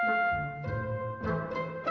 ih mas pur ada apa